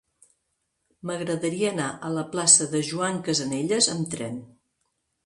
M'agradaria anar a la plaça de Joan Casanelles amb tren.